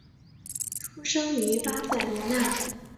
出生于巴塞罗那。